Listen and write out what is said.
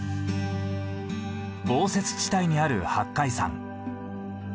豪雪地帯にある八海山。